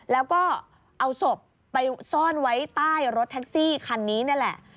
แล้วก็เอาศพไปซ่อนไว้ใต้รถแท็กซี่คันนี้นี่แหละ